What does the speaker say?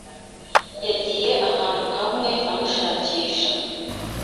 Yagiye ahantu hamwe amushakisha.